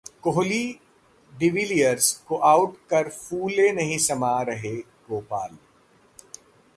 कोहली-डिविलियर्स को आउट कर फूले नहीं समा रहे गोपाल